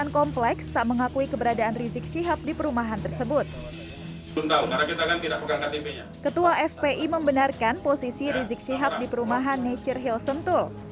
ketua fpi membenarkan posisi rizik syihab di perumahan nature hill sentul